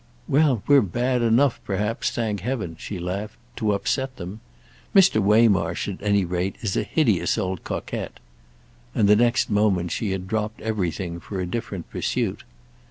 "Well, we're bad enough perhaps, thank heaven," she laughed, "to upset them! Mr. Waymarsh at any rate is a hideous old coquette." And the next moment she had dropped everything for a different pursuit.